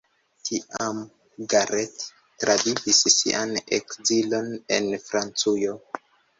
Tiam Garrett travivis sian ekzilon en Francujo.